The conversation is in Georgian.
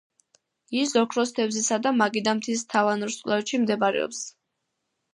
ის ოქროს თევზისა და მაგიდა მთის თანავარსკვლავედში მდებარეობს.